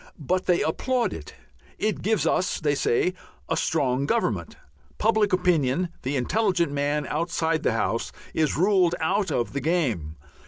But they applaud it. It gives us, they say, "a strong Government." Public opinion, the intelligent man outside the House, is ruled out of the game.